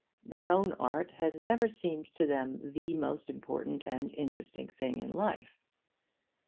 Their own art has never seemed to them the most important and interesting thing in life.